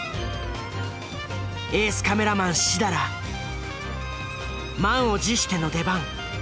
エースカメラマン設楽満を持しての出番。